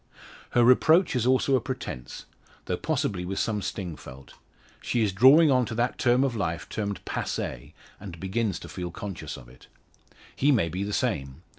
Her reproach is also a pretence, though possibly with some sting felt. She is drawing on to that term of life termed passe, and begins to feel conscious of it. He may be the same.